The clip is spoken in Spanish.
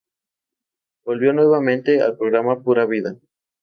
Volvió nuevamente al programa "Pura Vida".